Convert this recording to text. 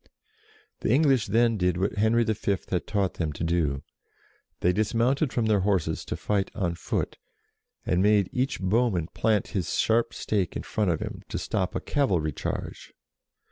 The English then did what Henry V. had taught them to do. They dismounted from their horses to fight on foot, and made each bowman plant his sharp stake in front of him, to stop a cavalry charge.